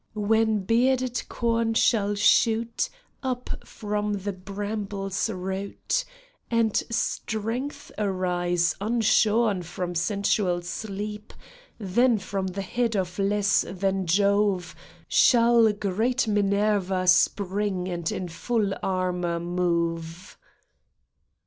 jy When bearded corn shall shoot Up from the bramble's root, And strength arise unshorn from sensual sleep, Then from the head of less than Jove Shall great Minerva spring and in full armor move.